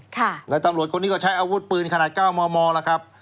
ค่ะแล้วตำรวจคนนี้ก็ใช้อาวุธปืนขนาดเก้าหมอแล้วครับ